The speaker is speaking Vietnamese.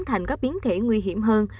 thành các biến thể nguy hiểm hơn